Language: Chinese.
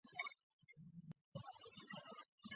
圣克里斯托夫德杜布尔。